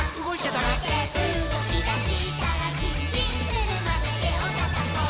「とまってうごきだしたらヂンヂンするまでてをたたこう」